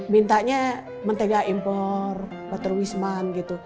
mintanya mentega impor water wisman gitu